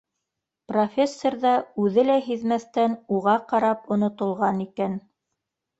Профессор ҙа, үҙе лә һиҙмәҫтән, уға ҡарап онотолған икән